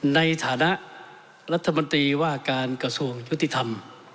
ในฐานะรัฐมนตรีว่าการกระทรวงยุติธรรม